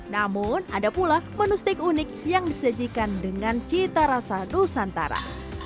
namun ada pula menu steak unik yang disajikan dengan cita rasa nusantara